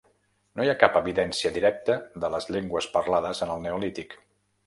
No hi ha cap evidència directa de les llengües parlades en el neolític.